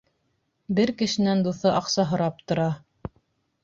Бер кешенән дуҫы аҡса һорап тора.